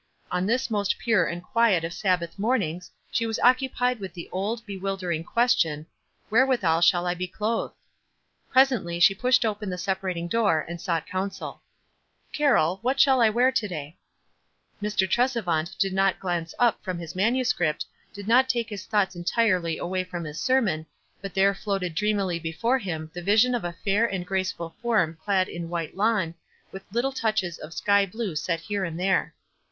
On this most pure and quiet of Sabbath morn ings she was occupied with the old, be wilderi no question, "Wherewithal shall I be clothed?" Presently she pushed open the separating door and sought counsel. "Carroll, what shall I wear to day?" Mr. Tresevant did not glance up from his manuscript, did not take his thoughts entirely away from his sermon, but there floated dream u WISE AND OTHERWISE. 13 ily before him the vision of a fair and graceful form clad in white lawn, with little touches of sky blue set here and there.